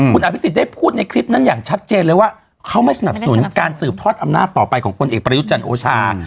คุณอภิษฎได้พูดในคลิปนั้นอย่างชัดเจนเลยว่าเขาไม่สนับสนุนการสืบทอดอำนาจต่อไปของคนเอกประยุทธ์จันทร์โอชา